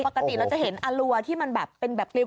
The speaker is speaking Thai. ปกติเราจะเห็นอรัวที่มันแบบเป็นแบบปลิว